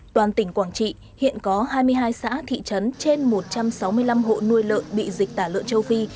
toàn tỉnh quảng trị hiện có hai mươi hai xã thị trấn trên một trăm sáu mươi năm hộ nuôi lợn bị dịch tả lợn châu phi